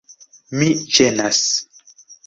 Mi ĝenas.